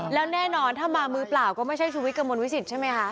แล้วแน่นอนถ้ามามือเปล่าก็ไม่ใช่ชุวิตกระมวลวิสิตใช่ไหมคะ